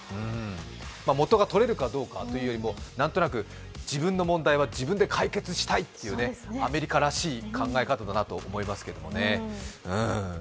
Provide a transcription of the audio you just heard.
元がとれるかどうかというよりは自分の問題は自分で解決したいというアメリカらしい考え方だなと思いますけどね。